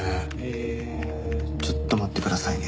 えちょっと待ってくださいね。